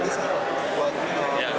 ya kita siapkan